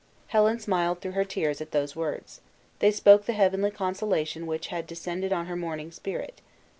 Helen smiled through her tears at those words. They spoke the heavenly consolation which had descended on her mourning spirit.